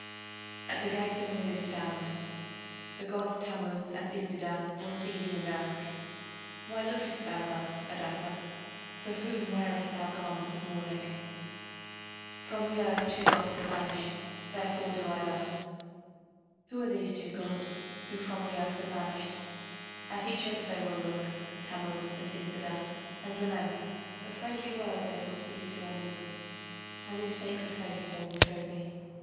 ] At the gate of Anu stand. The gods Tammuz and Iszida will see thee and ask: Why lookest thou thus, Adapa, For whom wearest thou garments of mourning? From the earth two gods have vanished, therefore do I thus. Who are these two gods who from the earth have vanished? At each other they will look, Tammuz and Iszida, and lament. A friendly word they will speak to Anu Anu's sacred face they will show thee.